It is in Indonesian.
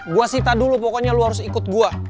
gue sita dulu pokoknya lu harus ikut gue